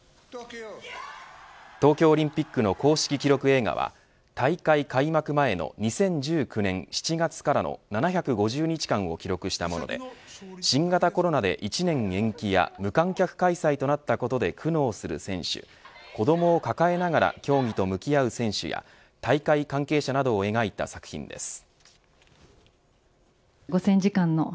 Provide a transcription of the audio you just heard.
映画は大会開幕前の２０１９年７月からの７５０日間を記録したもので新型コロナで１年延期や無観客開催となったことで苦悩する選手子どもを抱えながら競技と向き合う選手や大会関係者などを描いた作品です。